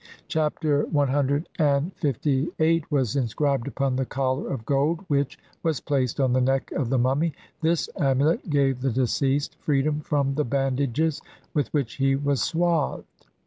Chap ter CLVIII was inscribed upon the collar of gold which was placed on the neck of the mummy ; this amulet gave the deceased freedom from the bandages with which he was swathed.